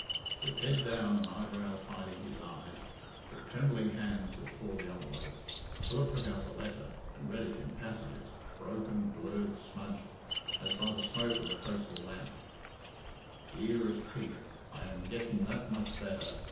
With head down and eyebrows hiding his eyes, with trembling hands that tore the envelope, Philip took out the letter and read it in passages broken, blurred, smudged, as by the smoke of a fo'c'stle lamp. "Deerest peat i am gettin that much better...